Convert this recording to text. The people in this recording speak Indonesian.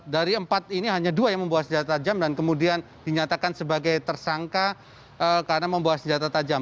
dari empat ini hanya dua yang membawa senjata tajam dan kemudian dinyatakan sebagai tersangka karena membawa senjata tajam